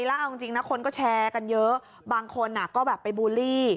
แล้วเอาจริงนะคนก็แชร์กันเยอะบางคนก็แบบไปบูลลี่